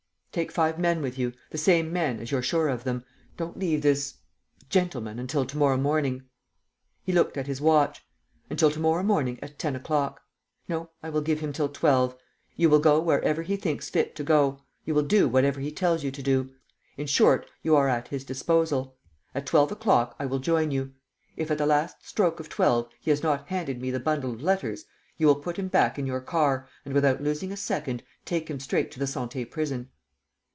"Take five men with you ... the same men, as you're sure of them. Don't leave this ... gentleman until to morrow morning." He looked at his watch. "Until to morrow morning at ten o'clock. No, I will give him till twelve. You will go wherever he thinks fit to go, you will do whatever he tells you to do. In short, you are at his disposal. At twelve o'clock, I will join you. If, at the last stroke of twelve, he has not handed me the bundle of letters, you will put him back in your car and, without losing a second, take him straight to the Santé Prison."